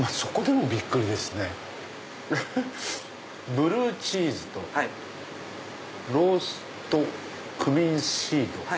「ブルーチーズローストクミンシード」。